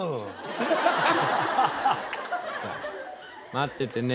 待っててね。